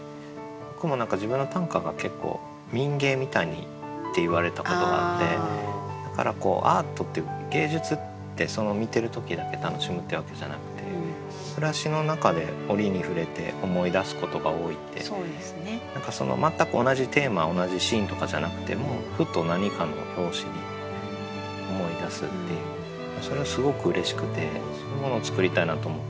僕も自分の短歌が結構民藝みたいって言われたことがあってだからアートって芸術って見てる時だけ楽しむってわけじゃなくて全く同じテーマ同じシーンとかじゃなくてもふと何かの拍子に思い出すっていうそれはすごくうれしくてそういうものを作りたいなと思って。